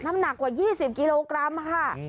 น้ำหนักกว่า๒๐กิโลกรัมค่ะ